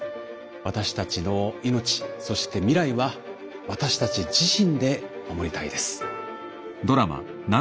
私たちの命そして未来は私たち自身で守りたいです。